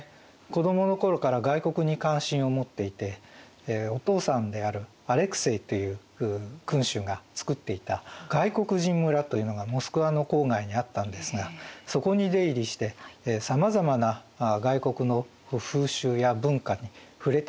子どもの頃から外国に関心を持っていてお父さんであるアレクセイという君主がつくっていた外国人村というのがモスクワの郊外にあったんですがそこに出入りしてさまざまな外国の風習や文化に触れていたと。